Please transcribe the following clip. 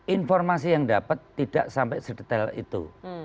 informasi yang dapat tidak sampai sedetail itu